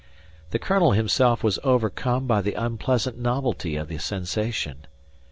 The colonel himself was overcome by the unpleasant novelty of the sensation.